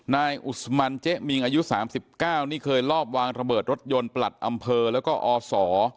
นายอุศมันเจ๊มิงอายุ๓๙นี่เคยลอบวางระเบิดรถยนต์ประหลัดอำเภอแล้วก็อศ